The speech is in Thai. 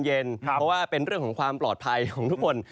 เพราะว่าเป็นเรื่องของความปลอดภัยของทุกคน